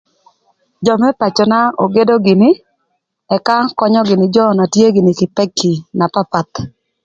Jö më pacöna ogedo gïnï ëka könyö gïnï jö na tye gïnï kï peki na papath.